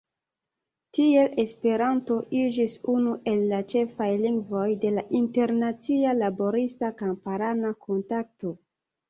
Tiel Esperanto iĝis unu el la ĉefaj lingvoj de la internacia laborista-kamparana kontakto.